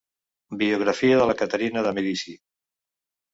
"Biografia de Caterina de Medici".